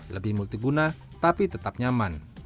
lebih multiguna tapi tetap nyaman